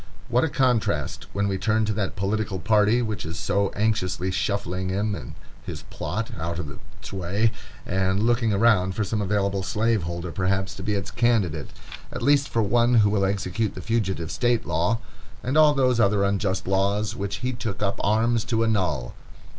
What a contrast, when we turn to that political party which is so anxiously shuffling him and his plot out of its way, and looking around for some available slaveholder, perhaps, to be its candidate, at least for one who will execute the Fugitive Slave Law, and all those other unjust laws which he took up arms to annul!